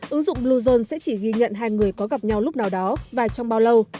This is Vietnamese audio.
ứng dụng bluezone sẽ chỉ ghi nhận hai người có gặp nhau lúc nào đó và trong bao lâu